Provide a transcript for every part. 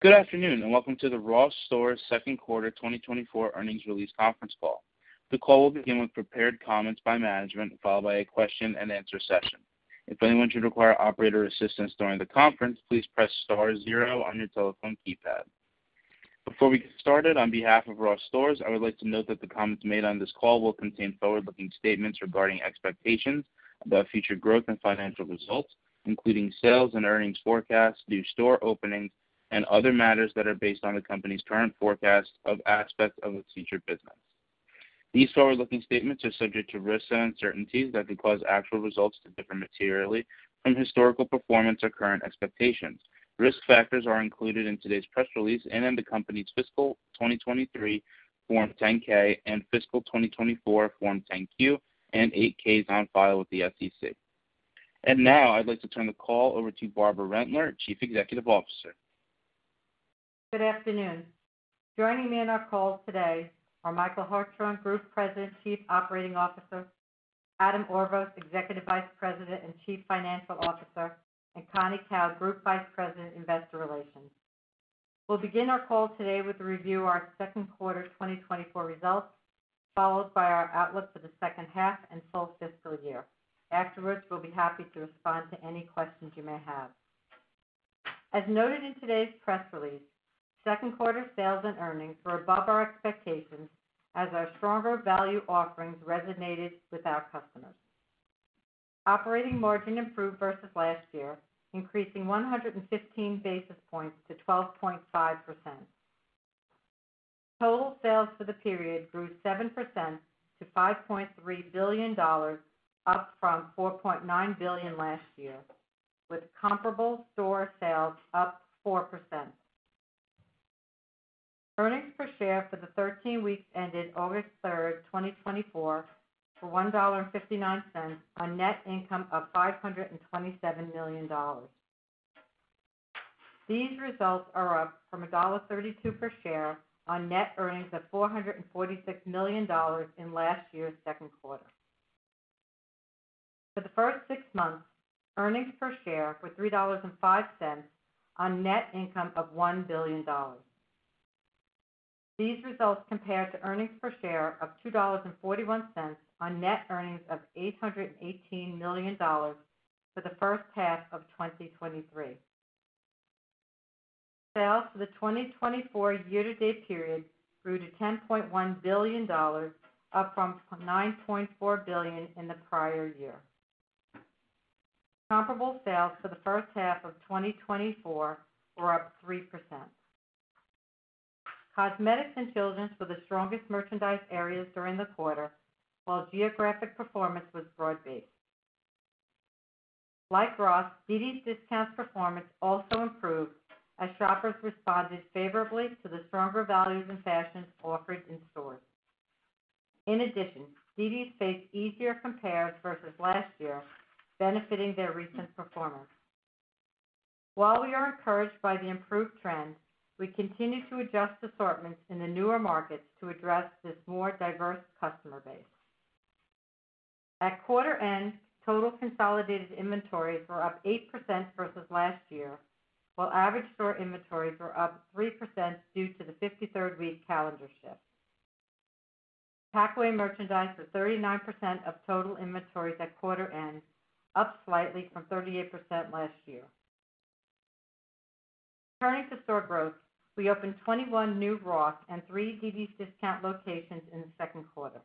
Good afternoon, and welcome to the Ross Stores second quarter twenty twenty-four earnings release conference call. The call will begin with prepared comments by management, followed by a question and answer session. If anyone should require operator assistance during the conference, please press star zero on your telephone keypad. Before we get started, on behalf of Ross Stores, I would like to note that the comments made on this call will contain forward-looking statements regarding expectations about future growth and financial results, including sales and earnings forecasts, new store openings, and other matters that are based on the company's current forecast of aspects of its future business. These forward-looking statements are subject to risks and uncertainties that could cause actual results to differ materially from historical performance or current expectations. Risk factors are included in today's press release and in the company's fiscal 2023 Form 10-K and fiscal 2024 Form 10-Q and 8-Ks on file with the SEC. And now I'd like to turn the call over to Barbara Rentler, Chief Executive Officer. Good afternoon. Joining me on our call today are Michael Hartshorn, Group President, Chief Operating Officer, Adam Orvos, Executive Vice President and Chief Financial Officer, and Connie Kao, Group Vice President, Investor Relations. We'll begin our call today with a review of our second quarter twenty twenty-four results, followed by our outlook for the second half and full fiscal year. Afterwards, we'll be happy to respond to any questions you may have. As noted in today's press release, second quarter sales and earnings were above our expectations as our stronger value offerings resonated with our customers. Operating margin improved versus last year, increasing one hundred and fifteen basis points to 12.5%. Total sales for the period grew 7% to $5.3 billion, up from $4.9 billion last year, with comparable store sales up 4%. Earnings per share for the 13 weeks ended August 3, 2024, for $1.59 on net income of $527 million. These results are up from $1.32 per share on net earnings of $446 million in last year's second quarter. For the first six months, earnings per share were $3.05 on net income of $1 billion. These results compared to earnings per share of $2.41 on net earnings of $818 million for the first half of 2023. Sales for the 2024 year-to-date period grew to $10.1 billion, up from $9.4 billion in the prior year. Comparable sales for the first half of 2024 were up 3%. Cosmetics and children's were the strongest merchandise areas during the quarter, while geographic performance was broad-based. Like Ross, dd's Discounts performance also improved as shoppers responded favorably to the stronger values and fashions offered in stores. In addition, dd's Discounts faced easier compares versus last year, benefiting their recent performance. While we are encouraged by the improved trends, we continue to adjust assortments in the newer markets to address this more diverse customer base. At quarter end, total consolidated inventories were up 8% versus last year, while average store inventories were up 3% due to the fifty-third week calendar shift. Packaway merchandise was 39% of total inventories at quarter end, up slightly from 38% last year. Turning to store growth, we opened 21 new Ross and 3 dd's Discounts locations in the second quarter.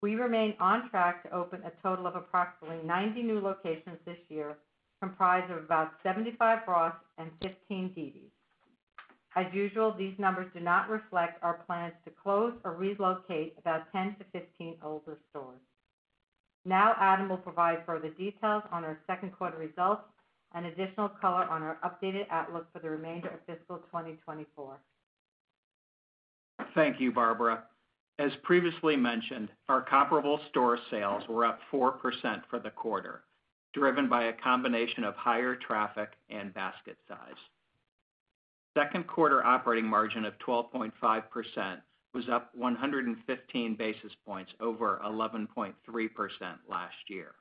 We remain on track to open a total of approximately 90 new locations this year, comprised of about 75 Ross and 15 dd's. As usual, these numbers do not reflect our plans to close or relocate about 10 to 15 older stores. Now, Adam will provide further details on our second quarter results and additional color on our updated outlook for the remainder of fiscal 2024. Thank you, Barbara. As previously mentioned, our comparable store sales were up 4% for the quarter, driven by a combination of higher traffic and basket size. Second quarter operating margin of 12.5% was up 115 basis points over 11.3% last year.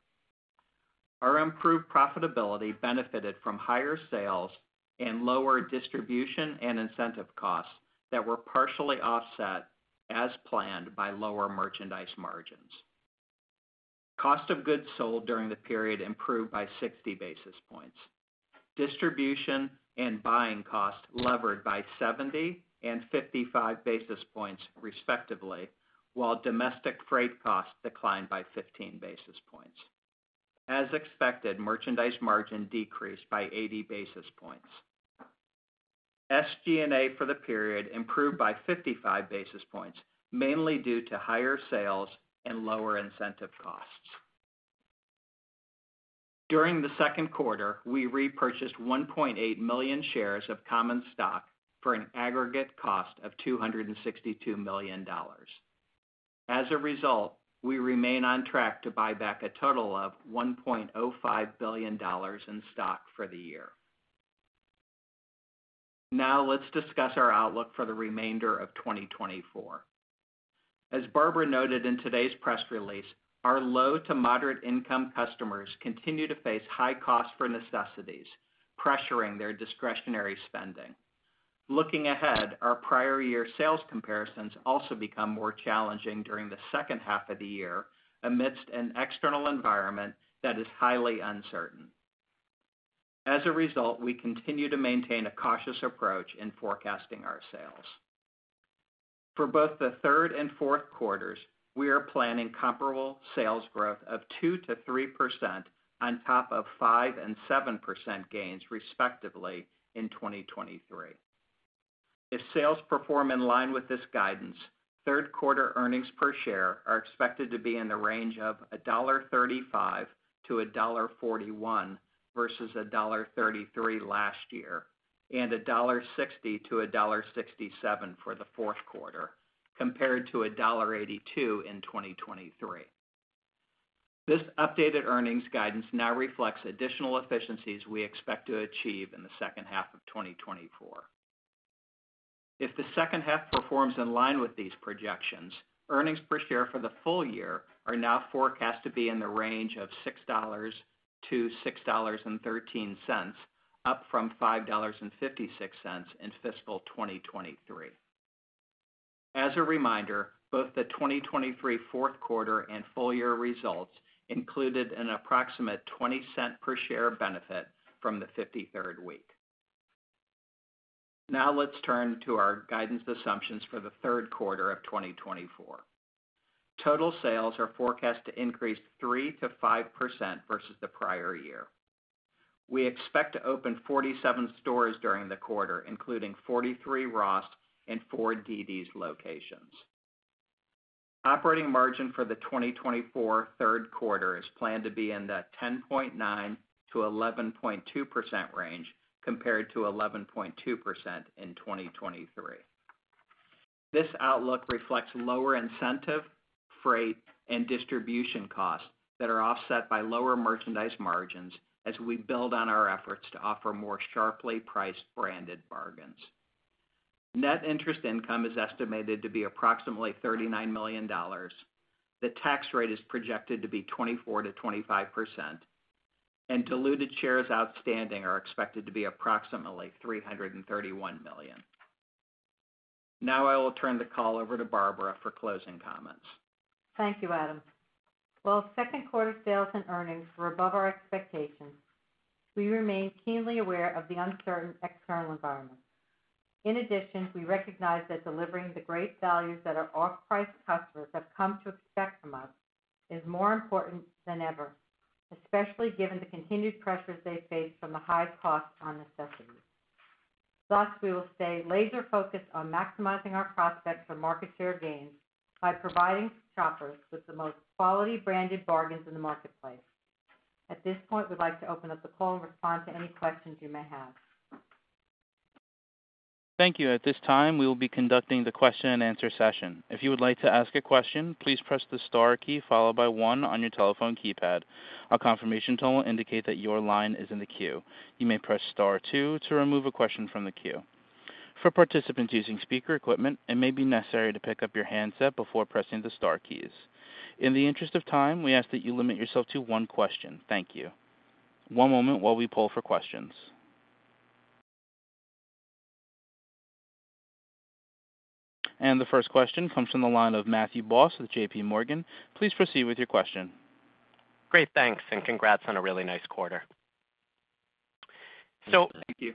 Our improved profitability benefited from higher sales and lower distribution and incentive costs that were partially offset, as planned, by lower merchandise margins. Cost of goods sold during the period improved by 60 basis points. Distribution and buying costs levered by 70 and 55 basis points, respectively, while domestic freight costs declined by 15 basis points. As expected, merchandise margin decreased by 80 basis points. SG&A for the period improved by 55 basis points, mainly due to higher sales and lower incentive costs. During the second quarter, we repurchased 1.8 million shares of common stock for an aggregate cost of $262 million. As a result, we remain on track to buy back a total of $1.05 billion in stock for the year. Now, let's discuss our outlook for the remainder of 2024. As Barbara noted in today's press release, our low to moderate income customers continue to face high costs for necessities, pressuring their discretionary spending. Looking ahead, our prior year sales comparisons also become more challenging during the second half of the year amidst an external environment that is highly uncertain. As a result, we continue to maintain a cautious approach in forecasting our sales. For both the third and fourth quarters, we are planning comparable sales growth of 2%-3% on top of 5% and 7% gains, respectively, in 2023. If sales perform in line with this guidance, third quarter earnings per share are expected to be in the range of $1.35-$1.41 versus $1.33 last year, and $1.60-$1.67 for the fourth quarter, compared to $1.82 in 2023. This updated earnings guidance now reflects additional efficiencies we expect to achieve in the second half of 2024. If the second half performs in line with these projections, earnings per share for the full year are now forecast to be in the range of $6.00-$6.13, up from $5.56 in fiscal 2023. As a reminder, both the 2023 fourth quarter and full year results included an approximate $0.20 per share benefit from the fifty-third week. Now let's turn to our guidance assumptions for the third quarter of 2024. Total sales are forecast to increase 3%-5% versus the prior year. We expect to open 47 stores during the quarter, including 43 Ross and four dd's locations. Operating margin for the 2024 third quarter is planned to be in the 10.9%-11.2% range, compared to 11.2% in 2023. This outlook reflects lower incentive, freight, and distribution costs that are offset by lower merchandise margins as we build on our efforts to offer more sharply priced branded bargains. Net interest income is estimated to be approximately $39 million. The tax rate is projected to be 24%-25%, and diluted shares outstanding are expected to be approximately 331 million. Now I will turn the call over to Barbara for closing comments. Thank you, Adam. While second quarter sales and earnings were above our expectations, we remain keenly aware of the uncertain external environment. In addition, we recognize that delivering the great values that our off-price customers have come to expect from us is more important than ever, especially given the continued pressures they face from the high cost on necessities. Thus, we will stay laser focused on maximizing our prospects for market share gains by providing shoppers with the most quality branded bargains in the marketplace. At this point, we'd like to open up the call and respond to any questions you may have. Thank you. At this time, we will be conducting the question and answer session. If you would like to ask a question, please press the star key followed by one on your telephone keypad. A confirmation tone will indicate that your line is in the queue. You may press star two to remove a question from the queue. For participants using speaker equipment, it may be necessary to pick up your handset before pressing the star keys. In the interest of time, we ask that you limit yourself to one question. Thank you. One moment while we pull for questions. The first question comes from the line of Matthew Boss with JPMorgan. Please proceed with your question. Great, thanks, and congrats on a really nice quarter. Thank you.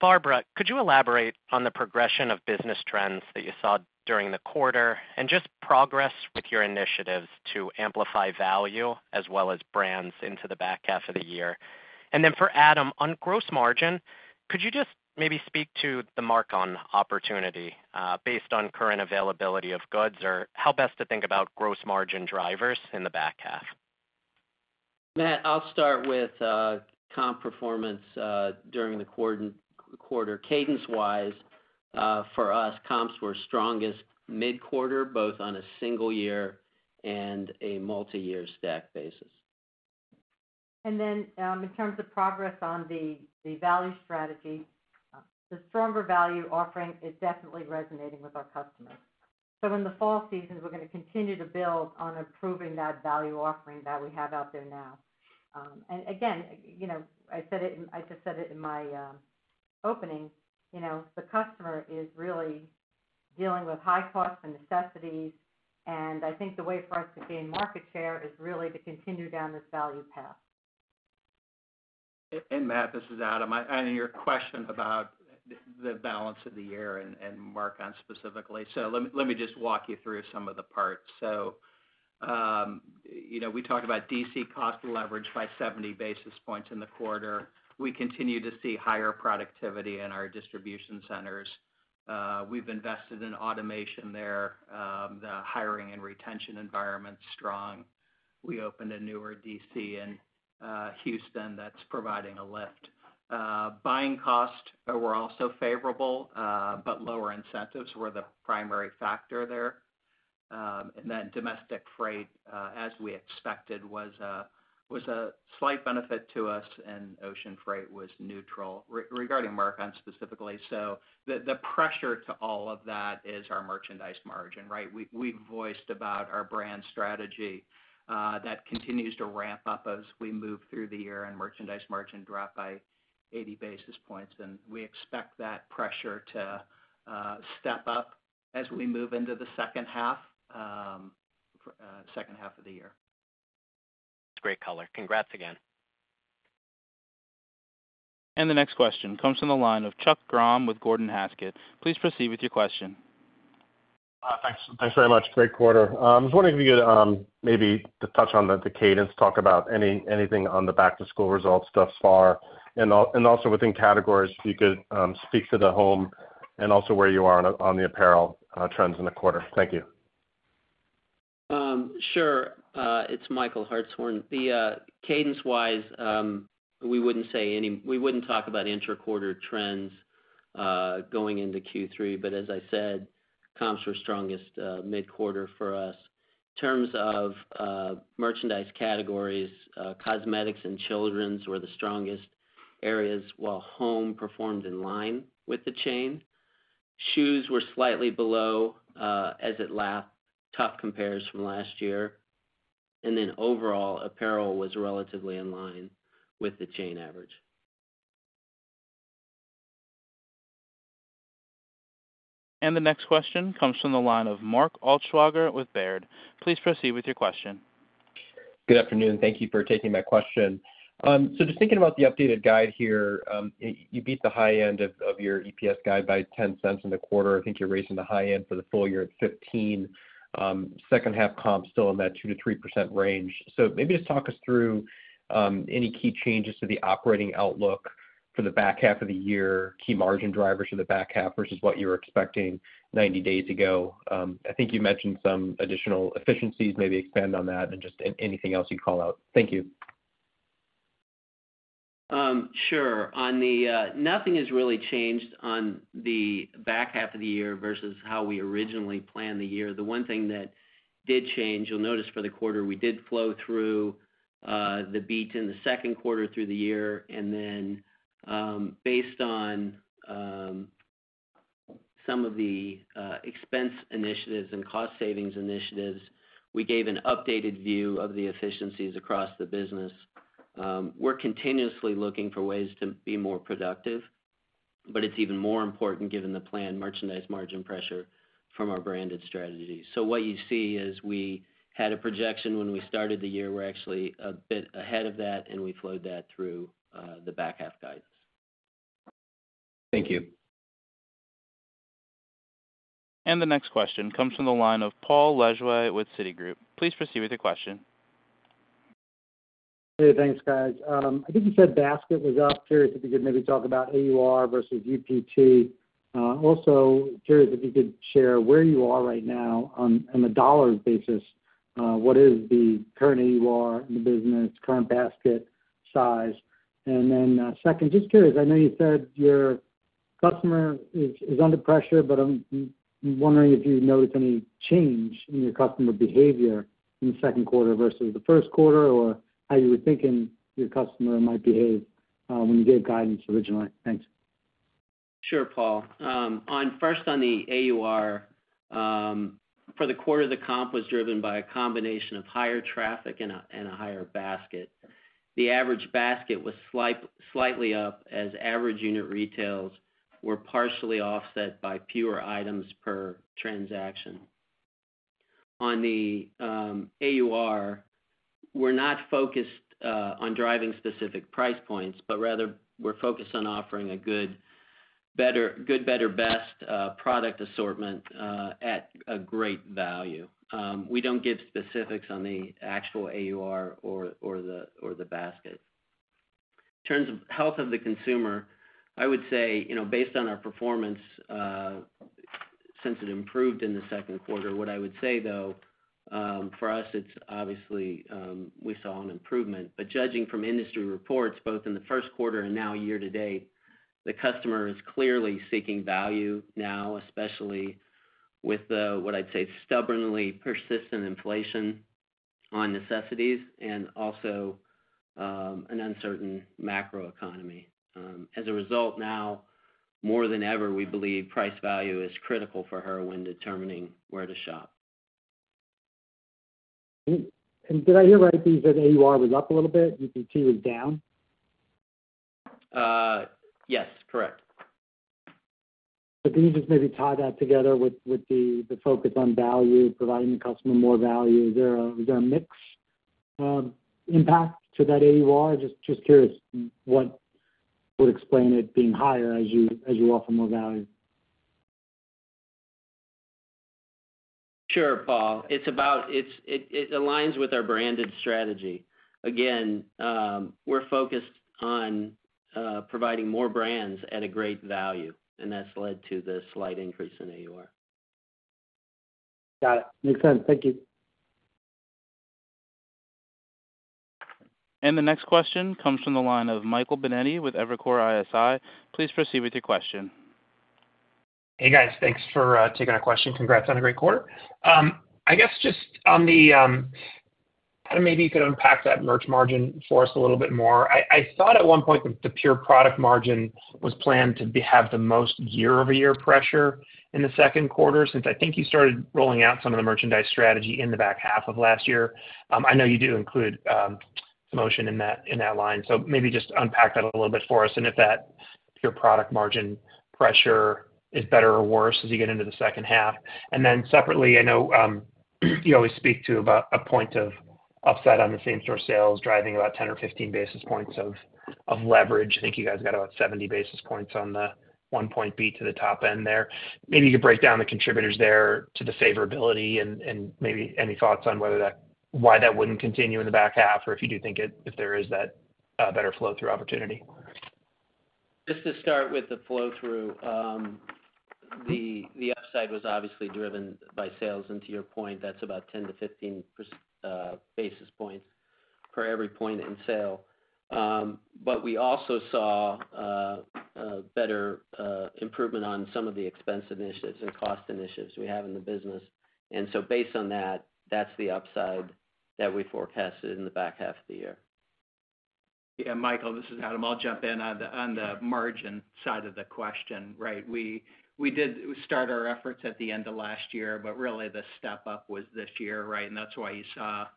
Barbara, could you elaborate on the progression of business trends that you saw during the quarter and just progress with your initiatives to amplify value as well as brands into the back half of the year? And then for Adam, on gross margin, could you just maybe speak to the mark-on opportunity, based on current availability of goods, or how best to think about gross margin drivers in the back half? Matt, I'll start with comp performance during the quarter. Cadence-wise, for us, comps were strongest mid-quarter, both on a single year and a multiyear stack basis. And then, in terms of progress on the value strategy, the stronger value offering is definitely resonating with our customers. So in the fall season, we're gonna continue to build on improving that value offering that we have out there now. And again, you know, I said it, I just said it in my opening, you know, the customer is really dealing with high costs and necessities, and I think the way for us to gain market share is really to continue down this value path. And Matt, this is Adam. On your question about the balance of the year and mark-on specifically. So let me just walk you through some of the parts. So, you know, we talked about DC cost leverage by 70 basis points in the quarter. We continue to see higher productivity in our distribution centers. We've invested in automation there. The hiring and retention environment's strong. We opened a newer DC in Houston that's providing a lift. Buying costs were also favorable, but lower incentives were the primary factor there.... and then domestic freight, as we expected, was a slight benefit to us, and ocean freight was neutral regarding markdowns specifically. So the pressure to all of that is our merchandise margin, right? We voiced about our brand strategy, that continues to ramp up as we move through the year, and merchandise margin dropped by eighty basis points, and we expect that pressure to step up as we move into the second half of the year. Great color. Congrats again. The next question comes from the line of Chuck Grom with Gordon Haskett. Please proceed with your question. Thanks, thanks very much. Great quarter. I was wondering if you could maybe touch on the cadence, talk about anything on the back-to-school results thus far, and also within categories, if you could speak to the home and also where you are on the apparel trends in the quarter. Thank you. Sure. It's Michael Hartshorn. The cadence-wise, we wouldn't talk about interquarter trends going into Q3, but as I said, comps were strongest mid-quarter for us. In terms of merchandise categories, cosmetics and children's were the strongest areas, while home performed in line with the chain. Shoes were slightly below, as it lapped tough compares from last year, and then overall, apparel was relatively in line with the chain average. The next question comes from the line of Mark Altschwager with Baird. Please proceed with your question. Good afternoon. Thank you for taking my question. So just thinking about the updated guide here, you beat the high end of your EPS guide by $0.10 in the quarter. I think you're raising the high end for the full year at $0.15. Second half comps still in that 2%-3% range. So maybe just talk us through any key changes to the operating outlook for the back half of the year, key margin drivers for the back half versus what you were expecting 90 days ago. I think you mentioned some additional efficiencies. Maybe expand on that and just anything else you'd call out. Thank you. Sure. Nothing has really changed on the back half of the year versus how we originally planned the year. The one thing that did change, you'll notice for the quarter, we did flow through the beat in the second quarter through the year, and then, based on some of the expense initiatives and cost savings initiatives, we gave an updated view of the efficiencies across the business. We're continuously looking for ways to be more productive, but it's even more important given the planned merchandise margin pressure from our branded strategy. So what you see is we had a projection when we started the year. We're actually a bit ahead of that, and we flowed that through the back half guidance. Thank you. The next question comes from the line of Paul Lejuez with Citigroup. Please proceed with your question. Hey, thanks, guys. I think you said basket was up. Curious if you could maybe talk about AUR versus UPT. Also curious if you could share where you are right now on a dollars basis, what is the current AUR in the business, current basket size? And then, second, just curious, I know you said your customer is under pressure, but I'm wondering if you notice any change in your customer behavior in the second quarter versus the first quarter, or how you were thinking your customer might behave when you gave guidance originally. Thanks. Sure, Paul. First, on the AUR for the quarter, the comp was driven by a combination of higher traffic and a higher basket. The average basket was slightly up, as average unit retails were partially offset by fewer items per transaction. On the AUR, we're not focused on driving specific price points, but rather we're focused on offering a good, better, best product assortment at a great value. We don't give specifics on the actual AUR or the basket. In terms of health of the consumer, I would say, you know, based on our performance, since it improved in the second quarter, what I would say, though, for us, it's obviously we saw an improvement. But judging from industry reports, both in the first quarter and now year to date, the customer is clearly seeking value now, especially with the, what I'd say, stubbornly persistent inflation on necessities and also, an uncertain macroeconomy. As a result, now more than ever, we believe price value is critical for her when determining where to shop. Did I hear right, that you said AUR was up a little bit, UPT was down? Yes, correct. Can you just maybe tie that together with the focus on value, providing the customer more value? Is there a mix impact to that AUR? Just curious what would explain it being higher as you offer more value. Sure, Paul. It aligns with our branded strategy. Again, we're focused on providing more brands at a great value, and that's led to the slight increase in AUR. Got it. Makes sense. Thank you.... And the next question comes from the line of Michael Binetti with Evercore ISI. Please proceed with your question. Hey, guys. Thanks for taking our question. Congrats on a great quarter. I guess, just on the, kind of maybe you could unpack that merch margin for us a little bit more. I thought at one point, the pure product margin was planned to have the most year-over-year pressure in the second quarter, since I think you started rolling out some of the merchandise strategy in the back half of last year. I know you do include promotion in that line, so maybe just unpack that a little bit for us, and if that pure product margin pressure is better or worse as you get into the second half. Then separately, I know you always speak to about a point of upside on the same-store sales, driving about 10 or 15 basis points of leverage. I think you guys got about 70 basis points on the 1.0 basis points to the top end there. Maybe you could break down the contributors there to the favorability and maybe any thoughts on whether that, why that wouldn't continue in the back half, or if you do think it, if there is that better flow-through opportunity? Just to start with the flow-through, the upside was obviously driven by sales. And to your point, that's about 10 to 15 per basis points for every point in sale. But we also saw a better improvement on some of the expense initiatives and cost initiatives we have in the business. And so based on that, that's the upside that we forecasted in the back half of the year. Yeah, Michael, this is Adam. I'll jump in on the margin side of the question, right? We did start our efforts at the end of last year, but really, the step up was this year, right? And that's why you saw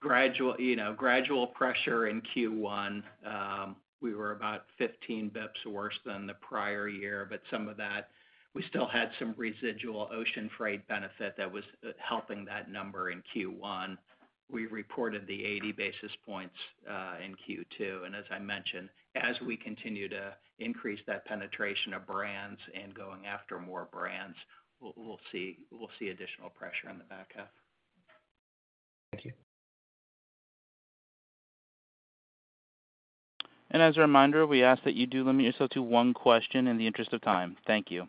gradual, you know, gradual pressure in Q1. We were about 15 basis points worse than the prior year, but some of that, we still had some residual ocean freight benefit that was helping that number in Q1. We reported the 80 basis points in Q2, and as I mentioned, as we continue to increase that penetration of brands and going after more brands, we'll see additional pressure in the back half. Thank you. As a reminder, we ask that you do limit yourself to one question in the interest of time. Thank you.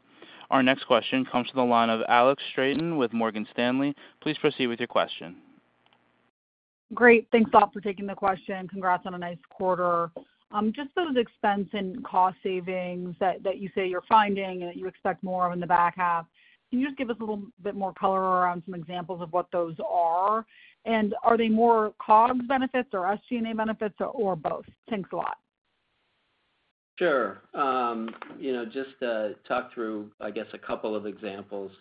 Our next question comes from the line of Alex Straton with Morgan Stanley. Please proceed with your question. Great. Thanks a lot for taking the question. Congrats on a nice quarter. Just those expense and cost savings that you say you're finding and that you expect more of in the back half, can you just give us a little bit more color around some examples of what those are? And are they more COGS benefits or SG&A benefits or both? Thanks a lot. Sure. You know, just to talk through, I guess, a couple of examples.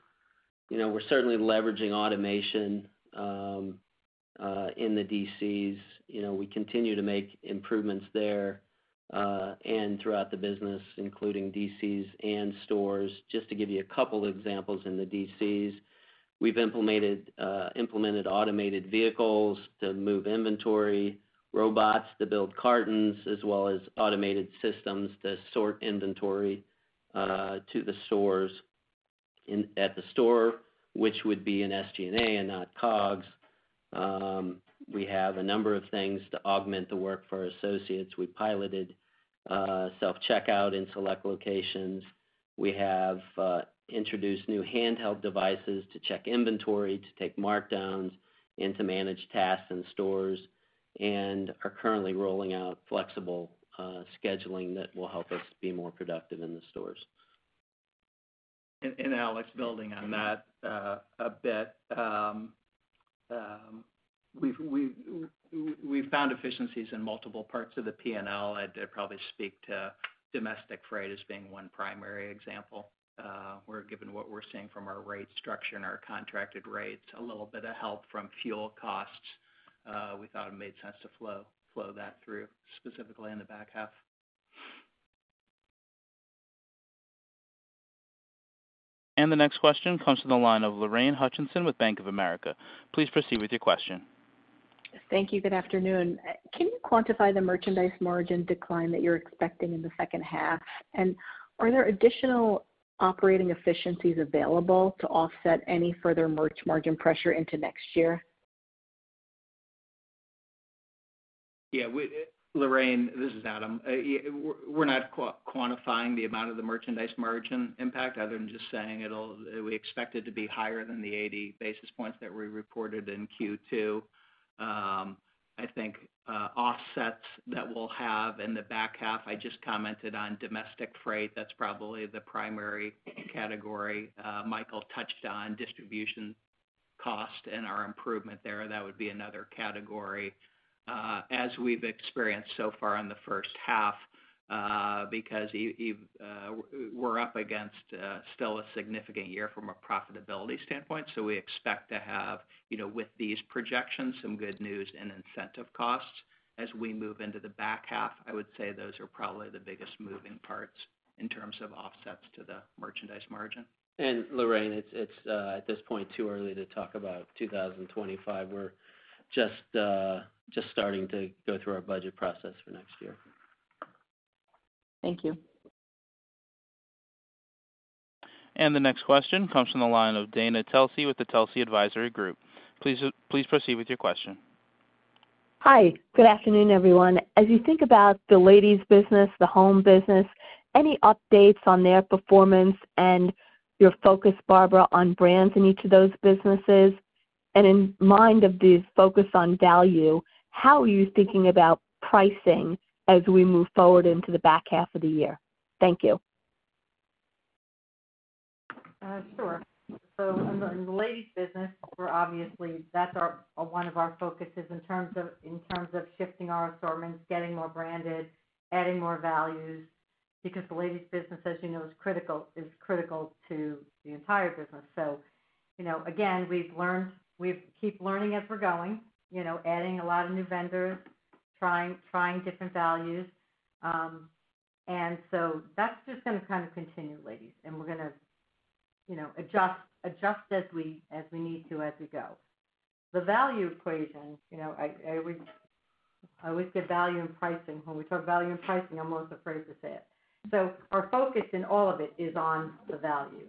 You know, we're certainly leveraging automation in the DCs. You know, we continue to make improvements there and throughout the business, including DCs and stores. Just to give you a couple of examples in the DCs, we've implemented automated vehicles to move inventory, robots to build cartons, as well as automated systems to sort inventory to the stores. In the stores, which would be in SG&A and not COGS, we have a number of things to augment the work for our associates. We piloted self-checkout in select locations. We have introduced new handheld devices to check inventory, to take markdowns, and to manage tasks in stores, and are currently rolling out flexible scheduling that will help us be more productive in the stores. Alex, building on that, a bit. We've found efficiencies in multiple parts of the P&L. I'd probably speak to domestic freight as being one primary example. We're given what we're seeing from our rate structure and our contracted rates, a little bit of help from fuel costs. We thought it made sense to flow that through, specifically in the back half. The next question comes from the line of Lorraine Hutchinson with Bank of America. Please proceed with your question. Thank you. Good afternoon. Can you quantify the merchandise margin decline that you're expecting in the second half? And are there additional operating efficiencies available to offset any further merch margin pressure into next year? Yeah, we're not quantifying the amount of the merchandise margin impact other than just saying it'll, we expect it to be higher than the eighty basis points that we reported in Q2. I think offsets that we'll have in the back half, I just commented on domestic freight. That's probably the primary category. Michael touched on distribution cost and our improvement there. That would be another category. As we've experienced so far in the first half, because we're up against still a significant year from a profitability standpoint. So we expect to have, you know, with these projections, some good news and incentive costs. As we move into the back half, I would say those are probably the biggest moving parts in terms of offsets to the merchandise margin. Lorraine, it's at this point too early to talk about 2025. We're just starting to go through our budget process for next year. Thank you. The next question comes from the line of Dana Telsey with the Telsey Advisory Group. Please proceed with your question. Hi. Good afternoon, everyone. As you think about the ladies business, the home business, any updates on their performance and your focus, Barbara, on brands in each of those businesses? And in mind of the focus on value, how are you thinking about pricing as we move forward into the back half of the year? Thank you. Sure. So in the ladies business, we're obviously that's our one of our focuses in terms of shifting our assortments, getting more branded, adding more values, because the ladies business, as you know, is critical, is critical to the entire business. So, you know, again, we've learned we've keep learning as we're going, you know, adding a lot of new vendors, trying different values. And so that's just gonna kind of continue, ladies, and we're gonna, you know, adjust as we need to, as we go. The value equation, you know, I would, I always say value and pricing. When we talk value and pricing, I'm almost afraid to say it. So our focus in all of it is on the value.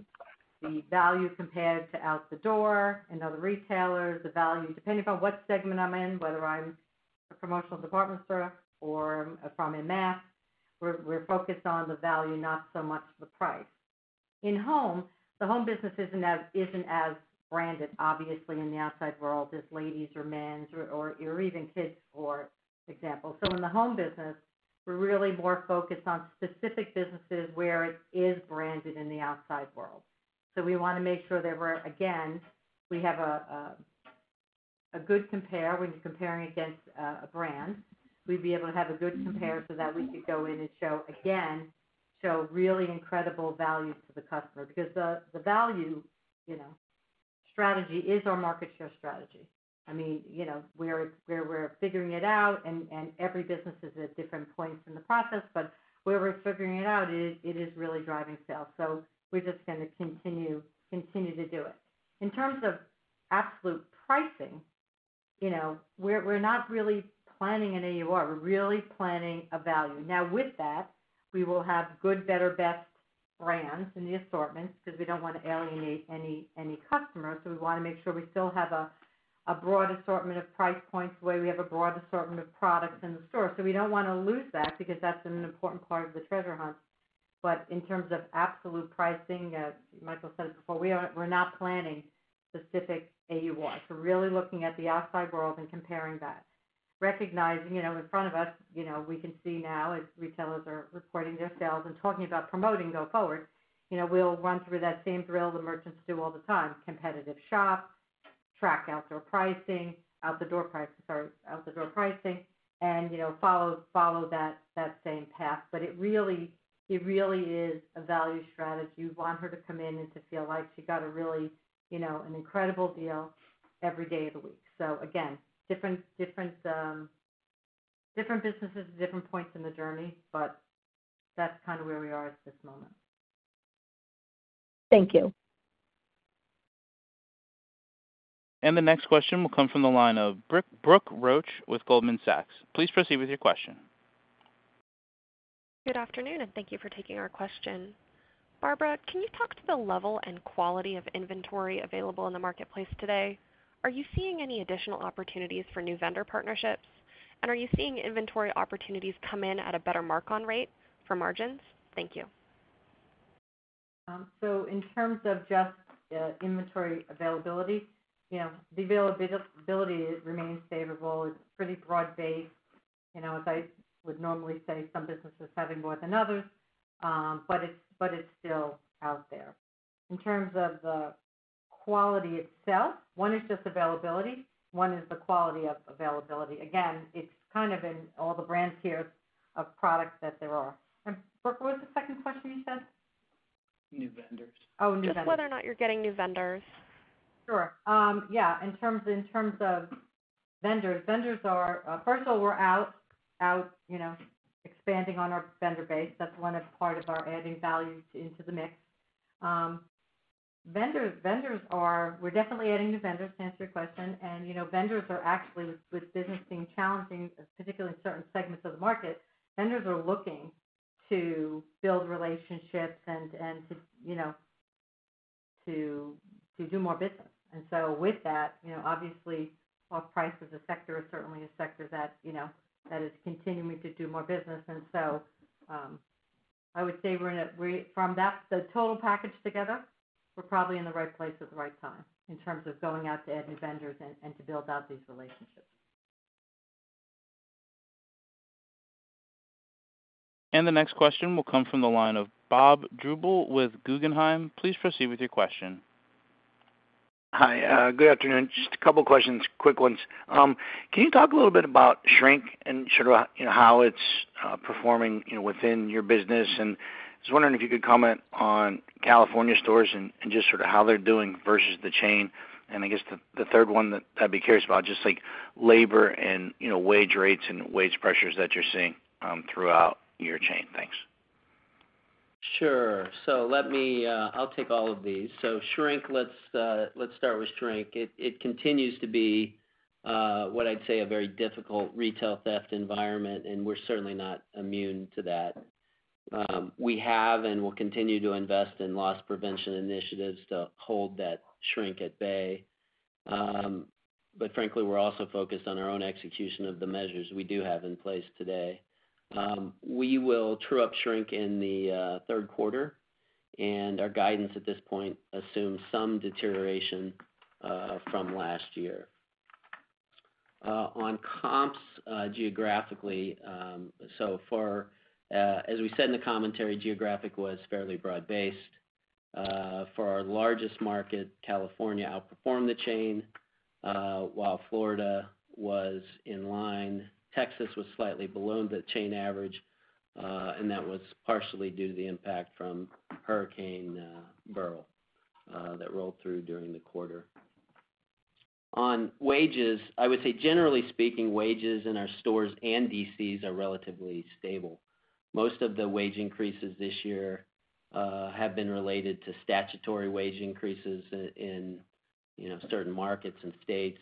The value compared to out-the-door and other retailers, the value, depending upon what segment I'm in, whether I'm a promotional department store or from a mass, we're focused on the value, not so much the price. In home, the home business isn't as branded, obviously, in the outside world as ladies or men's or even kids, for example. So in the home business, we're really more focused on specific businesses where it is branded in the outside world. So we wanna make sure that we're, again, we have a good compare when you're comparing against a brand. We'd be able to have a good compare so that we could go in and show really incredible value to the customer. Because the value, you know, strategy is our market share strategy. I mean, you know, we're figuring it out, and every business is at different points in the process, but where we're figuring it out, it is really driving sales. So we're just gonna continue to do it. In terms of absolute pricing, you know, we're not really planning an AUR. We're really planning a value. Now with that, we will have good, better, best brands in the assortments because we don't wanna alienate any customers. So we wanna make sure we still have a broad assortment of price points, where we have a broad assortment of products in the store. So we don't wanna lose that because that's an important part of the treasure hunt. But in terms of absolute pricing, as Michael said it before, we're not planning specific AUR. We're really looking at the outside world and comparing that. Recognizing, you know, in front of us, you know, we can see now as retailers are reporting their sales and talking about promoting go forward, you know, we'll run through that same drill the merchants do all the time: competitive shop, track outdoor pricing, out-the-door prices, sorry, out-the-door pricing, and, you know, follow, follow that, that same path. But it really, it really is a value strategy. You want her to come in and to feel like she got a really, you know, an incredible deal every day of the week. So again, different, different, different businesses at different points in the journey, but that's kind of where we are at this moment. Thank you. The next question will come from the line of Brooke, Brooke Roach with Goldman Sachs. Please proceed with your question. Good afternoon, and thank you for taking our question. Barbara, can you talk to the level and quality of inventory available in the marketplace today? Are you seeing any additional opportunities for new vendor partnerships? And are you seeing inventory opportunities come in at a better mark-on rate for margins? Thank you. So in terms of just, inventory availability, you know, the availability remains favorable. It's pretty broad-based. You know, as I would normally say, some businesses having more than others, but it's still out there. In terms of the quality itself, one is just availability, one is the quality of availability. Again, it's kind of in all the brand tiers of products that there are. And Brooke, what was the second question you said? New vendors. Oh, new vendors. Just whether or not you're getting new vendors? Sure. Yeah, in terms of vendors, first of all, we're out, you know, expanding on our vendor base. That's one of part of our adding value into the mix. We're definitely adding new vendors, to answer your question. And, you know, vendors are actually, with business being challenging, particularly in certain segments of the market, vendors are looking to build relationships and to, you know, to do more business. And so with that, you know, obviously, off price as a sector, is certainly a sector that, you know, that is continuing to do more business. And so, I would say from that, the total package together, we're probably in the right place at the right time in terms of going out to add new vendors and to build out these relationships. The next question will come from the line of Bob Drbul with Guggenheim. Please proceed with your question. Hi, good afternoon. Just a couple of questions, quick ones. Can you talk a little bit about shrink and sort of, you know, how it's performing, you know, within your business? And I was wondering if you could comment on California stores and just sort of how they're doing versus the chain. And I guess the third one that I'd be curious about, just like labor and, you know, wage rates and wage pressures that you're seeing throughout your chain. Thanks. Sure. So let me, I'll take all of these. So shrink, let's start with shrink. It continues to be what I'd say a very difficult retail theft environment, and we're certainly not immune to that. We have and will continue to invest in loss prevention initiatives to hold that shrink at bay. But frankly, we're also focused on our own execution of the measures we do have in place today. We will true up shrink in the third quarter, and our guidance at this point assumes some deterioration from last year. On comps, geographically, so for as we said in the commentary, geography was fairly broad-based. For our largest market, California outperformed the chain, while Florida was in line. Texas was slightly below the chain average, and that was partially due to the impact from Hurricane Beryl that rolled through during the quarter. On wages, I would say, generally speaking, wages in our stores and DCs are relatively stable. Most of the wage increases this year have been related to statutory wage increases in, you know, certain markets and states.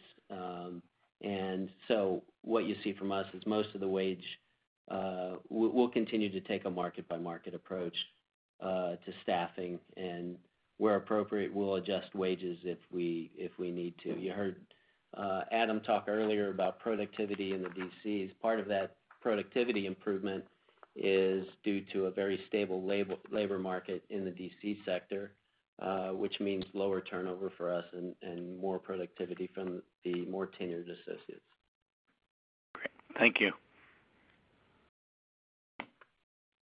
And so what you see from us is most of the wage, we'll continue to take a market-by-market approach to staffing, and where appropriate, we'll adjust wages if we need to. You heard Adam talk earlier about productivity in the DCs. Part of that productivity improvement is due to a very stable labor market in the DC sector, which means lower turnover for us and more productivity from the more tenured associates. Great. Thank you.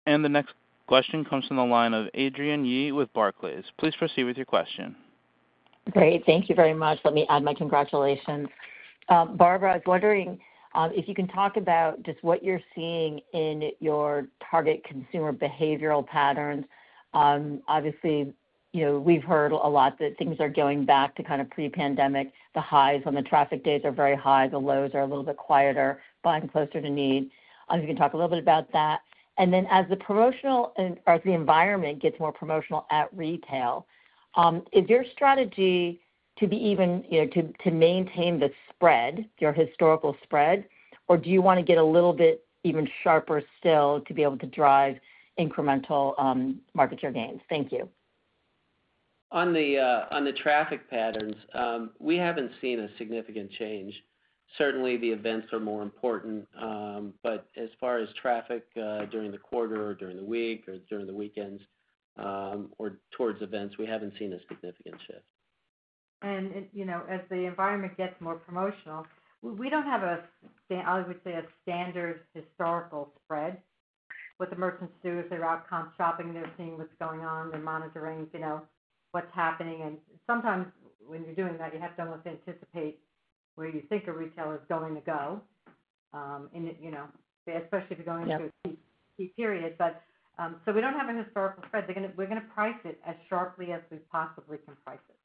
The next question comes from the line of Adrienne Yih with Barclays. Please proceed with your question. Great. Thank you very much. Let me add my congratulations. Barbara, I was wondering if you can talk about just what you're seeing in your target consumer behavioral patterns. Obviously, you know, we've heard a lot that things are going back to kind of pre-pandemic. The highs on the traffic days are very high, the lows are a little bit quieter, buying closer to need. If you can talk a little bit about that. And then, as the promotional and - or as the environment gets more promotional at retail, is your strategy to be even, you know, to maintain the spread, your historical spread, or do you wanna get a little bit even sharper still to be able to drive incremental market share gains? Thank you. On the traffic patterns, we haven't seen a significant change. Certainly, the events are more important, but as far as traffic, during the quarter, or during the week, or during the weekends, or towards events, we haven't seen a significant shift. You know, as the environment gets more promotional, we don't have a standard historical spread. What the merchants do, if they're out comp shopping, they're seeing what's going on, they're monitoring, you know, what's happening. And sometimes when you're doing that, you have to almost anticipate where you think a retailer is going to go, and it, you know, especially if you're going through. Yep A key, key period. But, so we don't have a historical spread. We're gonna price it as sharply as we possibly can price it.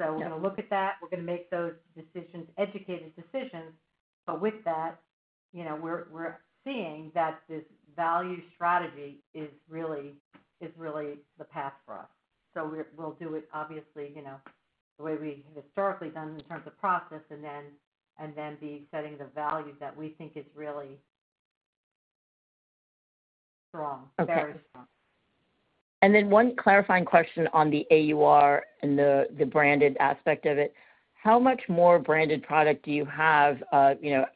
Yep. So we're gonna look at that. We're gonna make those decisions, educated decisions. But with that, you know, we're seeing that this value strategy is really the path for us. So we'll do it, obviously, you know, the way we historically done in terms of process and then be setting the value that we think is really strong. Okay. Very strong. And then one clarifying question on the AUR and the branded aspect of it. How much more branded product do you have, you know,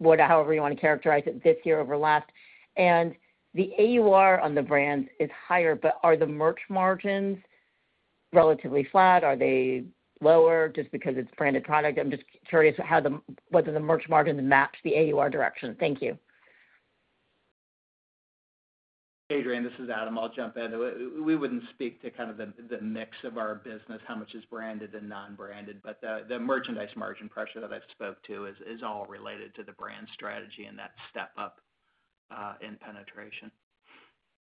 what--however you wanna characterize it, this year over last? And the AUR on the brands is higher, but are the merch margins relatively flat? Are they lower just because it's branded product? I'm just curious how the--whether the merch margins match the AUR direction. Thank you. Adrienne, this is Adam. I'll jump in. We wouldn't speak to kind of the mix of our business, how much is branded and non-branded, but the merchandise margin pressure that I've spoke to is all related to the brand strategy and that step up in penetration.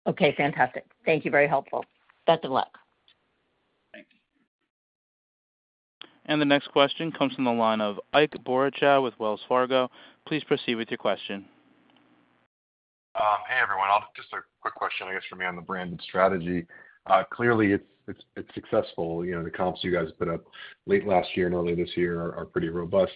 Okay, fantastic. Thank you. Very helpful. Best of luck. Thank you. The next question comes from the line of Ike Boruchow with Wells Fargo. Please proceed with your question. Hey, everyone. I'll just a quick question, I guess, for me on the branded strategy. Clearly, it's successful. You know, the comps you guys put up late last year and early this year are pretty robust.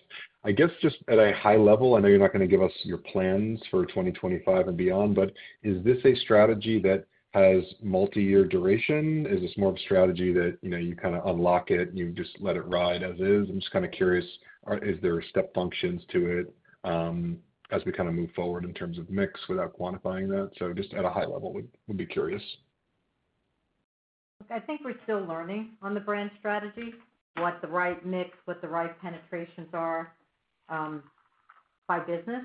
I guess, just at a high level, I know you're not gonna give us your plans for twenty twenty-five and beyond, but is this a strategy that has multi-year duration? Is this more of a strategy that, you know, you kinda unlock it, and you just let it ride as is? I'm just kinda curious, is there step functions to it, as we kinda move forward in terms of mix, without quantifying that? So just at a high level, would be curious. I think we're still learning on the brand strategy, what the right mix, what the right penetrations are, by business.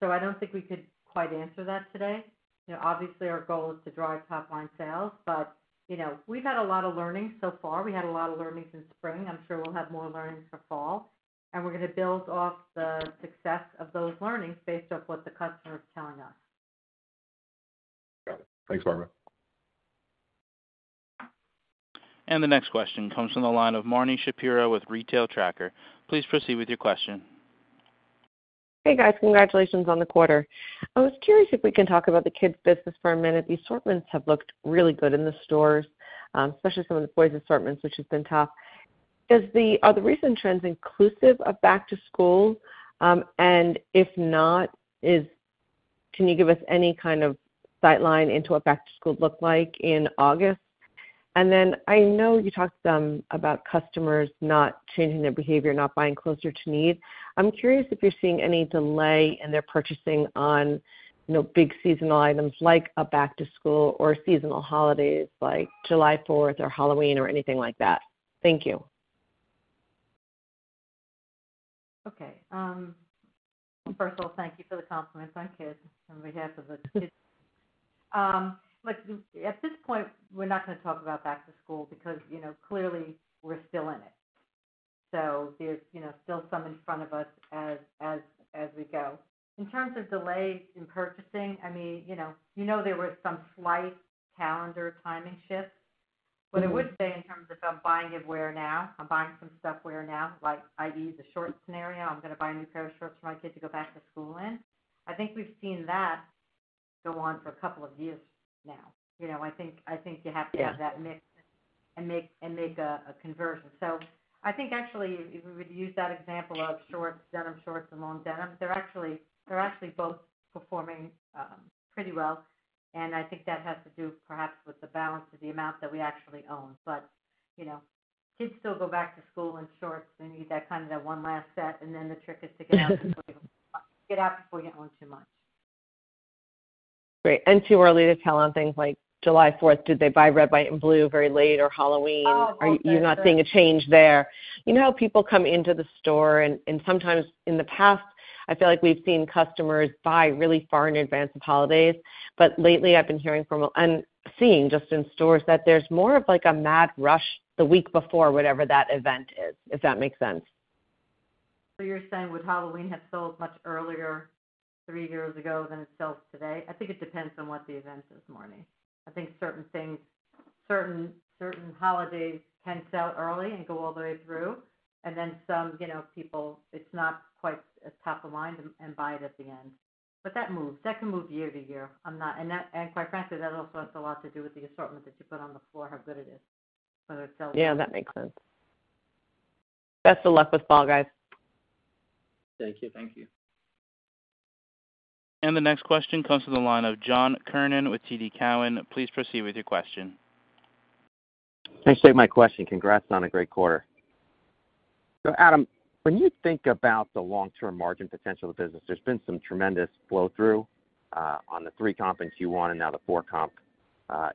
So I don't think we could quite answer that today. You know, obviously, our goal is to drive top-line sales, but, you know, we've had a lot of learnings so far. We had a lot of learnings in spring. I'm sure we'll have more learnings for fall, and we're gonna build off the success of those learnings based off what the customer is telling us. Got it. Thanks, Barbara. The next question comes from the line of Marni Shapiro with Retail Tracker. Please proceed with your question. Hey, guys, congratulations on the quarter. I was curious if we can talk about the kids business for a minute. The assortments have looked really good in the stores, especially some of the boys' assortments, which has been tough. Are the recent trends inclusive of back to school? And if not, can you give us any kind of sight line into what back to school looked like in August? And then, I know you talked some about customers not changing their behavior, not buying closer to need. I'm curious if you're seeing any delay in their purchasing on, you know, big seasonal items like a back to school or seasonal holidays like July Fourth or Halloween or anything like that. Thank you.... First of all, thank you for the compliments on kids on behalf of the kids. Look, at this point, we're not gonna talk about back to school because, you know, clearly we're still in it. So there's, you know, still some in front of us as we go. In terms of delays in purchasing, I mean, you know, there were some slight calendar timing shifts. What I would say in terms of, I'm buying it right now, I'm buying some stuff right now, like, I need the shorts scenario, I'm gonna buy a new pair of shorts for my kid to go back to school in. I think we've seen that go on for a couple of years now. You know, I think you have to. Yeah Have that mix and make a conversion. So I think actually, if we would use that example of shorts, denim shorts and long denim, they're actually both performing pretty well, and I think that has to do perhaps with the balance of the amount that we actually own. But, you know, kids still go back to school in shorts. They need that kind of that one last set, and then the trick is to get out... get out before you get one too much. Great, and too early to tell on things like July 4th. Did they buy red, white, and blue very late or Halloween? Oh, okay. Are you not seeing a change there? You know how people come into the store and sometimes in the past, I feel like we've seen customers buy really far in advance of holidays. But lately, I've been hearing from... and seeing just in stores, that there's more of, like, a mad rush the week before, whatever that event is, if that makes sense. So you're saying would Halloween have sold much earlier three years ago than it sells today? I think it depends on what the event is, Marni. I think certain things, certain holidays can sell early and go all the way through, and then some, you know, people. It's not quite as top of mind and buy it at the end. But that moves, that can move year to year. And that, quite frankly, also has a lot to do with the assortment that you put on the floor, how good it is, whether it sells. Yeah, that makes sense. Best of luck with fall, guys. Thank you. Thank you. And the next question comes from the line of John Kernan with TD Cowen. Please proceed with your question. Thanks for taking my question. Congrats on a great quarter. So, Adam, when you think about the long-term margin potential of the business, there's been some tremendous flow through on the three comp in Q1, and now the four comp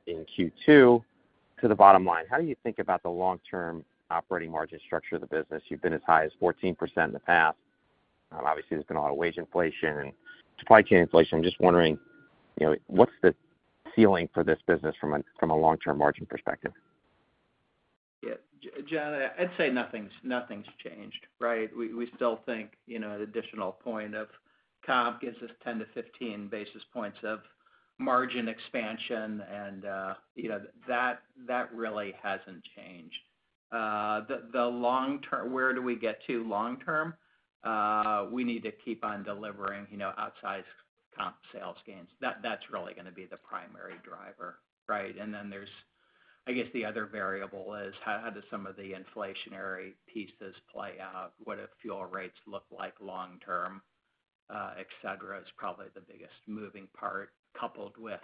in Q2 to the bottom line. How do you think about the long-term operating margin structure of the business? You've been as high as 14% in the past. Obviously, there's been a lot of wage inflation and supply chain inflation. I'm just wondering, you know, what's the ceiling for this business from a, from a long-term margin perspective? Yeah, John, I'd say nothing's changed, right? We still think, you know, an additional point of comp gives us 10 to 15 basis points of margin expansion, and, you know, that really hasn't changed. The long term - where do we get to long term? We need to keep on delivering, you know, outsized comp sales gains. That's really gonna be the primary driver, right? And then there's... I guess the other variable is, how does some of the inflationary pieces play out? What do fuel rates look like long term, et cetera, is probably the biggest moving part, coupled with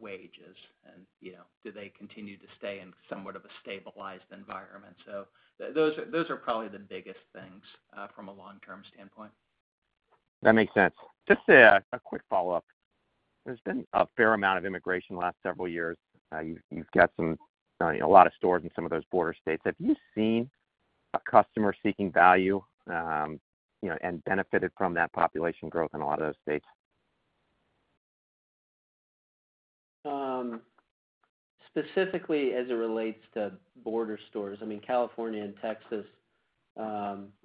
wages. And, you know, do they continue to stay in somewhat of a stabilized environment? So those are probably the biggest things from a long-term standpoint. That makes sense. Just a quick follow-up. There's been a fair amount of immigration in the last several years. You've got a lot of stores in some of those border states. Have you seen a customer seeking value, you know, and benefited from that population growth in a lot of those states? Specifically as it relates to border stores, I mean, California and Texas, you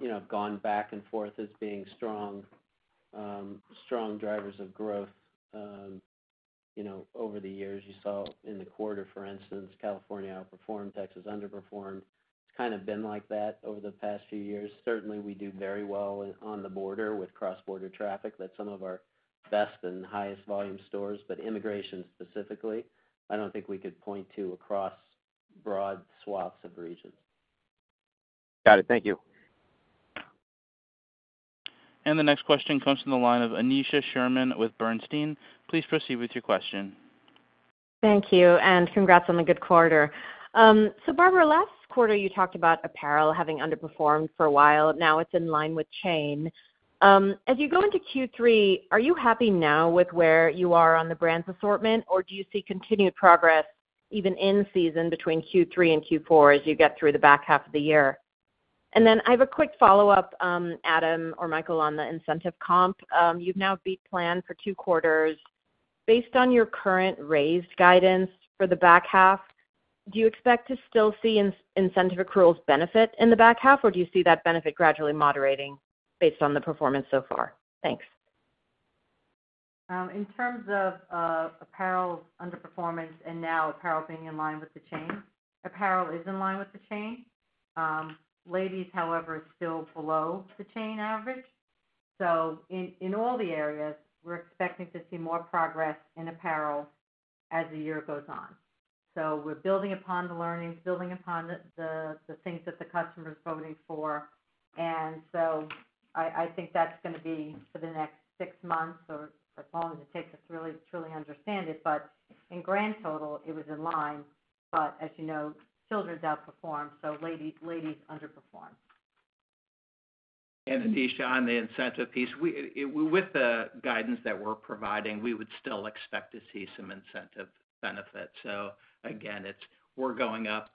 know, have gone back and forth as being strong, strong drivers of growth, you know, over the years. You saw in the quarter, for instance, California outperformed, Texas underperformed. It's kind of been like that over the past few years. Certainly, we do very well on the border with cross-border traffic. That's some of our best and highest volume stores, but immigration specifically, I don't think we could point to across broad swaths of regions. Got it. Thank you. The next question comes from the line of Aneesha Sherman with Bernstein. Please proceed with your question. Thank you, and congrats on a good quarter. So Barbara, last quarter, you talked about apparel having underperformed for a while. Now it's in line with chain. As you go into Q3, are you happy now with where you are on the brands assortment, or do you see continued progress even in season between Q3 and Q4, as you get through the back half of the year? And then I have a quick follow-up, Adam or Michael, on the incentive comp. You've now beat planned for two quarters. Based on your current raised guidance for the back half, do you expect to still see incentive accruals benefit in the back half, or do you see that benefit gradually moderating based on the performance so far? Thanks. In terms of apparel underperformance and now apparel being in line with the chain, apparel is in line with the chain. Ladies, however, is still below the chain average. So in all the areas, we're expecting to see more progress in apparel as the year goes on. So we're building upon the learnings, building upon the things that the customer is voting for. And so I think that's gonna be for the next six months or as long as it takes us to really, truly understand it, but in grand total, it was in line. But as you know, children's outperformed, so ladies underperformed. Aneesha, on the incentive piece, with the guidance that we're providing, we would still expect to see some incentive benefit. So again, it's. We're going up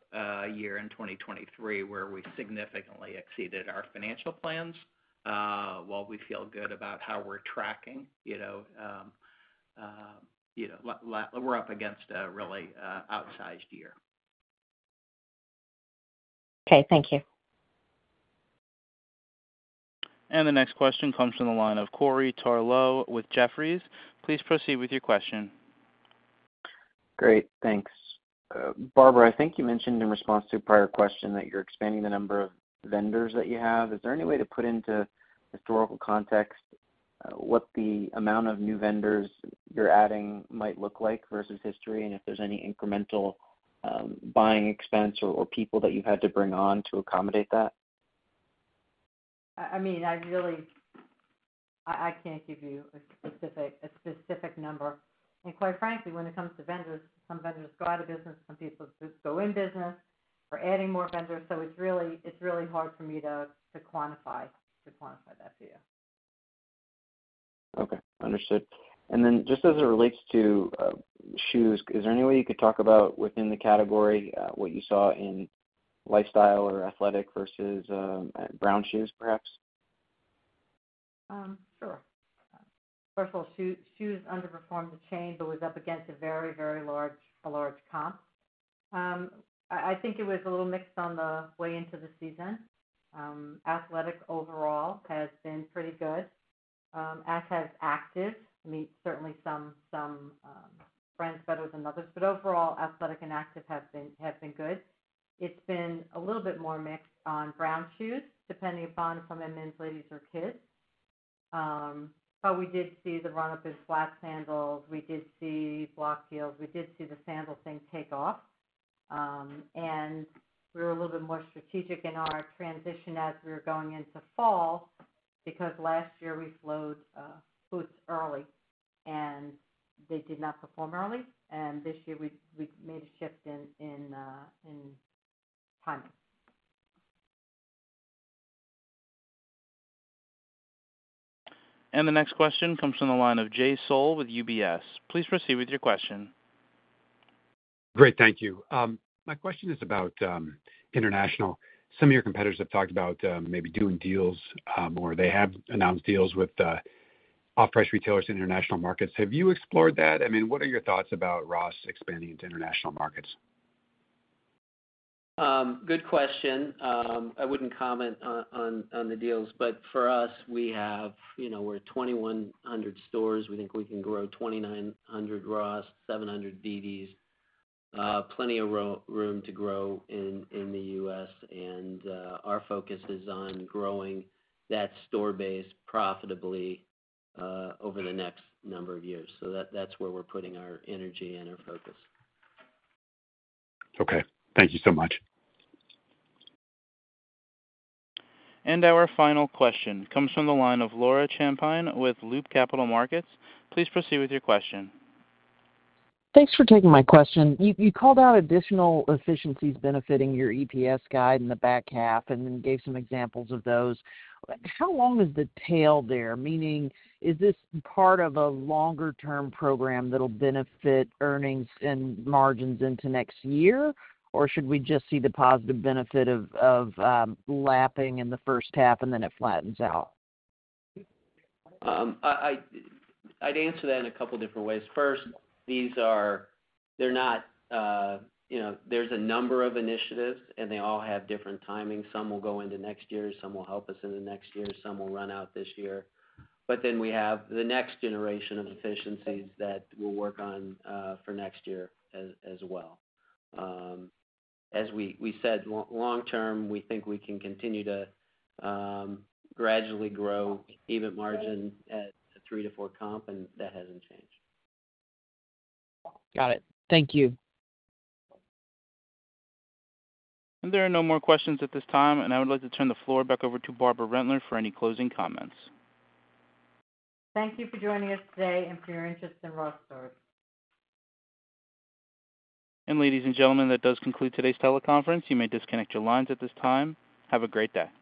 year in 2023, where we significantly exceeded our financial plans. While we feel good about how we're tracking, you know. You know, we're up against a really, outsized year. Okay, thank you. The next question comes from the line of Corey Tarlowe with Jefferies. Please proceed with your question. Great, thanks. Barbara, I think you mentioned in response to a prior question that you're expanding the number of vendors that you have. Is there any way to put into historical context what the amount of new vendors you're adding might look like versus history? And if there's any incremental buying expense or people that you've had to bring on to accommodate that? I mean, I really can't give you a specific number. And quite frankly, when it comes to vendors, some vendors go out of business, some people just go in business. We're adding more vendors, so it's really hard for me to quantify that for you. Okay, understood. And then just as it relates to shoes, is there any way you could talk about, within the category, what you saw in lifestyle or athletic versus brown shoes, perhaps? Sure. First of all, shoes underperformed the chain, but was up against a very large comp. I think it was a little mixed on the way into the season. Athletic overall has been pretty good, as has active. I mean, certainly some brands better than others, but overall, athletic and active have been good. It's been a little bit more mixed on brown shoes, depending upon if I'm in men's, ladies or kids. But we did see the run up in flat sandals. We did see block heels. We did see the sandal thing take off. And we were a little bit more strategic in our transition as we were going into fall, because last year, we flowed boots early, and they did not perform early. And this year, we made a shift in timing. The next question comes from the line of Jay Sole with UBS. Please proceed with your question. Great, thank you. My question is about international. Some of your competitors have talked about maybe doing deals or they have announced deals with off-price retailers in international markets. Have you explored that? I mean, what are your thoughts about Ross expanding into international markets? Good question. I wouldn't comment on the deals, but for us, we have... You know, we're 2,100 stores. We think we can grow 2,900 Ross, 700 dd's. Plenty of room to grow in the U.S., and our focus is on growing that store base profitably over the next number of years. So that's where we're putting our energy and our focus. Okay, thank you so much. Our final question comes from the line of Laura Champine with Loop Capital Markets. Please proceed with your question. Thanks for taking my question. You called out additional efficiencies benefiting your EPS guide in the back half, and then gave some examples of those. How long is the tail there? Meaning, is this part of a longer term program that'll benefit earnings and margins into next year? Or should we just see the positive benefit of lapping in the first half, and then it flattens out? I'd answer that in a couple different ways. First, these are, they're not. You know, there's a number of initiatives, and they all have different timing. Some will go into next year, some will help us in the next year, some will run out this year. But then we have the next generation of efficiencies that we'll work on for next year as well. As we said, long-term, we think we can continue to gradually grow EBIT margin at a three to four comp, and that hasn't changed. Got it. Thank you. There are no more questions at this time, and I would like to turn the floor back over to Barbara Rentler for any closing comments. Thank you for joining us today and for your interest in Ross Stores. And ladies and gentlemen, that does conclude today's teleconference. You may disconnect your lines at this time. Have a great day.